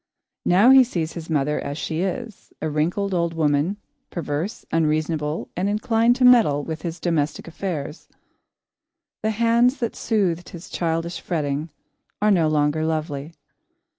Now he sees his mother as she is; a wrinkled old woman, perverse, unreasonable, and inclined to meddle with his domestic affairs. The hands that soothed his childish fretting are no longer lovely.